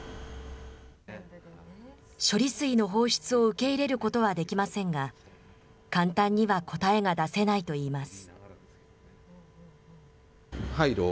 処理水の放出を受け入れることはできませんが、簡単には答えが出せないといいます。